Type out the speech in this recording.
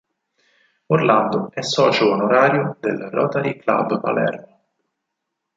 Orlando è socio onorario del Rotary Club Palermo.